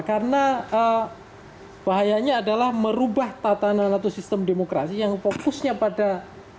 karena bahayanya adalah merubah tatanan atau sistem demokrasi yang fokusnya pada tiga p